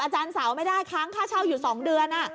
อาจารย์สาวไม่ได้ค้างค่าเช่าอยู่๒เดือน